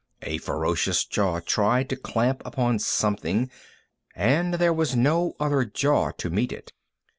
A ferocious jaw tried to clamp upon something and there was no other jaw to meet it.